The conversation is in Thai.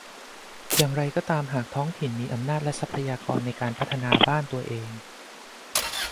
อย่างไรก็ตามหากท้องถิ่นมีอำนาจ และ ทรัพยากรในการพัฒนาบ้านตัวเอง